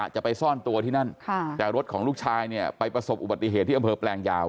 จะไปซ่อนตัวที่นั่นแต่รถของลูกชายเนี่ยไปประสบอุบัติเหตุที่อำเภอแปลงยาว